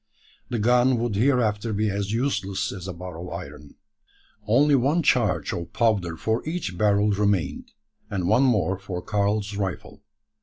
The gun would hereafter be as useless as a bar of iron. Only one charge of powder for each barrel remained, and one more for Karl's rifle.